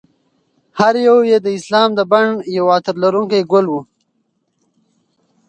هر یو یې د اسلام د بڼ یو عطر لرونکی ګل و.